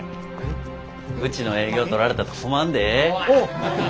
うちの営業取られたら困んで。